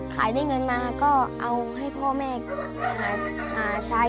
ขายได้เงินมาก็เอาให้พ่อแม่หาใช้